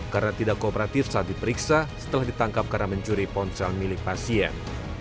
karena tidak kooperatif saat diperiksa setelah ditangkap karena mencuri ponsel milik pasien